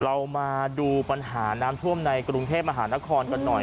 เรามาดูปัญหาน้ำท่วมในกรุงเทพมหานครกันหน่อย